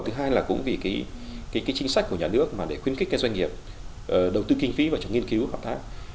thứ hai là cũng vì chính sách của nhà nước để khuyên kích các doanh nghiệp đầu tư kinh phí vào nghiên cứu và hợp tác